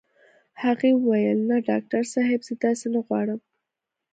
هغې وويل نه ډاکټر صاحب زه داسې نه غواړم.